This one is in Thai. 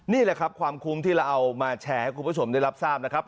นี่แหละครับความคุ้มที่เราเอามาแชร์ให้คุณผู้ชมได้รับทราบนะครับ